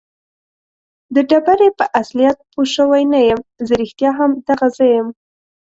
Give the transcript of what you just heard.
د ډبرې په اصلیت پوه شوی نه یم. زه رښتیا هم دغه زه یم؟